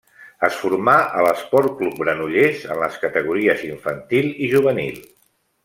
Es formà a l'Esport Club Granollers en les categories infantil i juvenil.